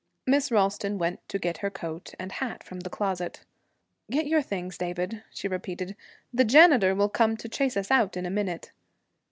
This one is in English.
Miss Ralston went to get her coat and hat from the closet. 'Get your things, David,' she repeated. 'The janitor will come to chase us out in a minute.'